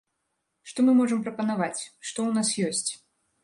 Што мы можам прапанаваць, што ў нас ёсць.